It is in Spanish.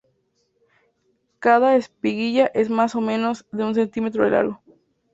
Cada espiguilla es más o menos de un centímetro de largo.